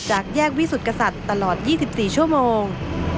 แยกวิสุทธิกษัตริย์ตลอด๒๔ชั่วโมง